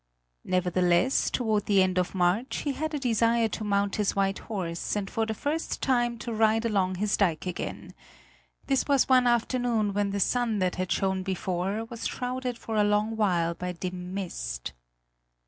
Nevertheless, toward the end of March, he had a desire to mount his white horse and for the first time to ride along his dike again. This was one afternoon when the sun that had shone before, was shrouded for a long while by dim mist.